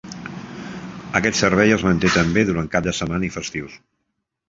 Aquest servei es manté també durant cap de setmana i festius.